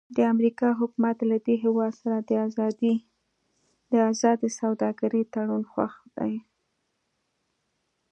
د امریکا حکومت له دې هېواد سره د ازادې سوداګرۍ تړون خوښ دی.